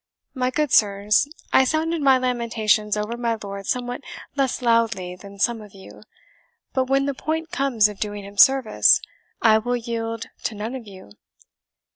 My good sirs, I sounded my lamentations over my lord somewhat less loudly than some of you; but when the point comes of doing him service, I will yield to none of you.